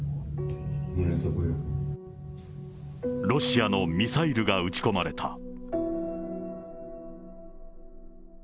ロシアのミサイルが撃ち込まれた。